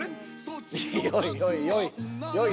◆よいよいよい。